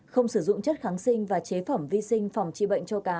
không sử dụng chất kháng sinh và chế phẩm vi sinh phòng tri bệnh cho cá